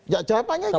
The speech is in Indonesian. ya jawabannya itu bisa